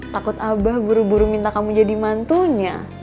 takut abah buru buru minta kamu jadi mantunya